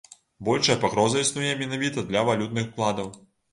Большая пагроза існуе менавіта для валютных укладаў.